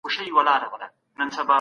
خپل مهارتونه نورو ته هم وښایئ.